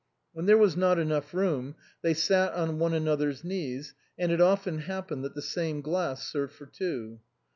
When there was not enough room they sat on one another's knees, and it often happened that the same glass served for two.